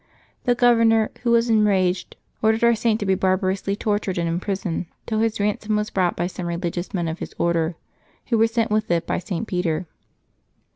The governor, who was enraged, ordered our Saint to be barbarously tortured and imprisoned till his ransom was brought by some re ligious men of his Order, who were sent with it by St. Peter.